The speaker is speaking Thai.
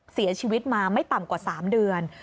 เสียชีวิตมาไม่ต่ำกว่า๓เดือน